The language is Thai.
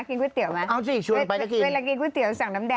กินก๋วยเตี๋ยวมา